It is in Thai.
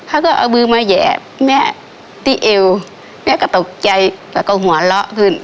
เขาก็เอามือมาแหยบแม่ที่เอวแม่ก็ตกใจแล้วก็หัวเราะขึ้น